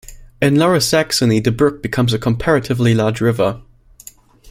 In Lower Saxony the brook becomes a comparatively large river.